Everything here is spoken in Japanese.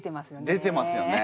出てますよね。